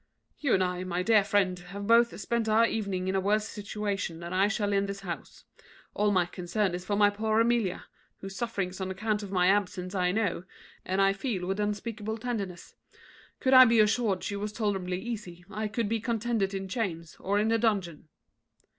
"You and I, my dear friend, have both spent our evening in a worse situation than I shall in this house. All my concern is for my poor Amelia, whose sufferings on account of my absence I know, and I feel with unspeakable tenderness. Could I be assured she was tolerably easy, I could be contented in chains or in a dungeon."